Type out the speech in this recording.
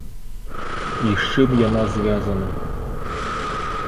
І з чым яна звязана?